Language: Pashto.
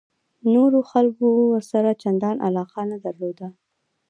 نورو خلکو ورسره چندان علاقه نه درلوده.